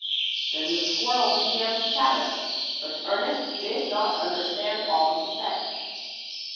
Then the squirrel began to chatter, but Ernest did not understand all he said.